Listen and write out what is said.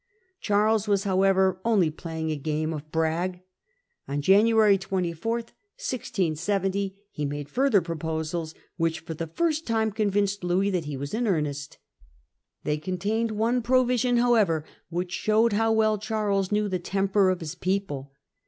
Charles was however only playing a game of brag. On January 24, 1670, he made further proposals, which for the first time convinced Louis that he was in earnest. They contained one provision however which showed how well Charles knew the temper of his people.